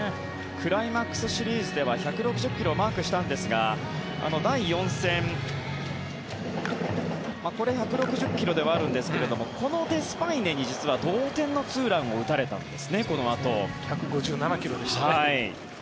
クライマックスシリーズでは１６０ｋｍをマークしたんですが第４戦、これ１６０ｋｍではあるんですがこのデスパイネに実は同点のツーランを打たれたんですね、このあと。１５７ｋｍでしたね。